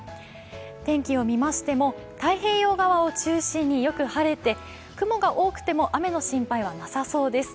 天気を見ましても太平洋側を中心によく晴れて雲が多くても雨の心配はなさそうです。